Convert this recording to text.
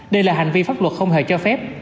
đây là hành vi pháp luật không hề cho phép